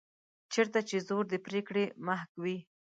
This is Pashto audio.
چېرته چې زور د پرېکړې محک وي.